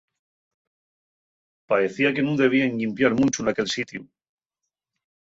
Paecía que nun debíen llimpiar munchu naquel sitiu.